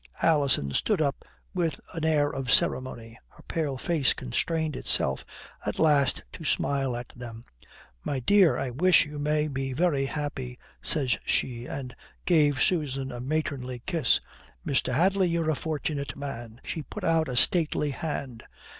Alison stood up with an air of ceremony. Her pale face constrained itself at last to smile at them. "My dear, I wish you may be very happy," says she, and gave Susan a matronly kiss. "Mr. Hadley, you're a fortunate man." She put out a stately hand.